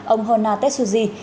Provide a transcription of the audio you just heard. ông hona tetsuji